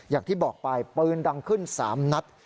อย่างที่บอกไปปืนดังขึ้น๓นัด